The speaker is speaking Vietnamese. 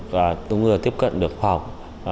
cũng như là tiếp cận được học